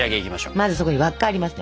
まずそこに輪っかありますね